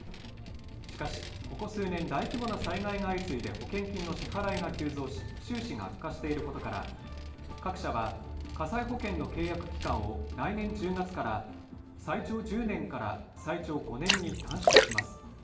しかしここ数年、大規模な災害が相次いで保険金の支払いが急増し、収支が悪化していることから、各社は火災保険の契約期間を来年１０月から、最長１０年から最長５年に短縮します。